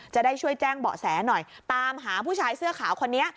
จะได้ช่วยแจ้งเบาะแสหน่อยตามหาผู้ชายเสื้อขาวคนนี้